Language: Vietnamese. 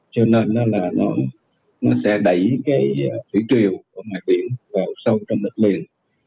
cho nên là nó sẽ đẩy cái thủy triều của mặt biển vào sâu trong đất liền